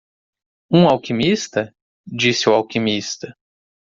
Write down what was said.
"Um alquimista?" disse o alquimista.